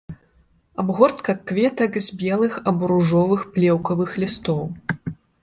Абгортка кветак з белых або ружовых плеўкавых лістоў.